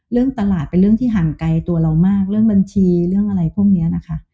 เรื่องตลาดเป็นเรื่องที่ห่างไกลตัวเรามากเรื่องบัญชีเรื่องอะไรพวกนี้นะคะ